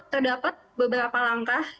terdapat beberapa langkah